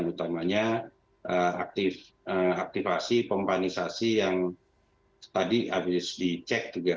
dan utamanya aktifasi pembanisasi yang tadi habis dicek juga